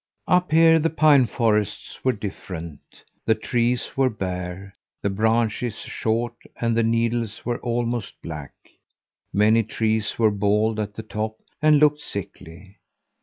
Up here the pine forests were different: the trees were bare, the branches short and the needles were almost black. Many trees were bald at the top and looked sickly.